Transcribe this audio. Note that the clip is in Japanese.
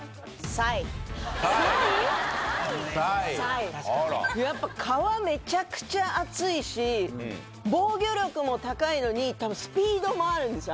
サイサイやっぱ皮めちゃくちゃ厚いし防御力も高いのにスピードもあるんですよ